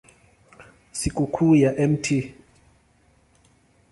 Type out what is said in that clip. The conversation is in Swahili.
Sikukuu ya Mt.